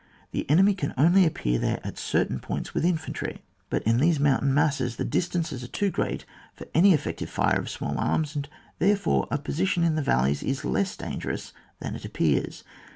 The enemy can only appear there at certain points with infantry ; but in these mountain masses the distances are too great for any effec tive fire of small arms, and therefore a position in the valleys is less dangerous than it appears.